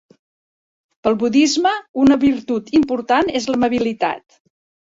Pel budisme una virtut important és l'amabilitat.